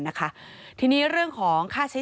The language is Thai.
พบหน้าลูกแบบเป็นร่างไร้วิญญาณ